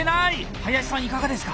林さんいかがですか？